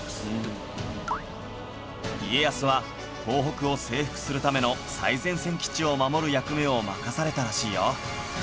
家康は東北を征服するための最前線基地を守る役目を任されたらしいよ